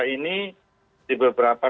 ini di beberapa